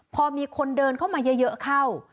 พอมีคนเดินเข้ามาเยอะเข้า